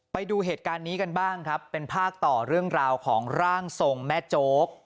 ไปดูเหตุการณ์นี้กันบ้างครับเป็นภาคต่อเรื่องราวของร่างทรงแม่โจ๊ก